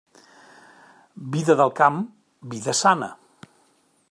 Vida del camp, vida sana.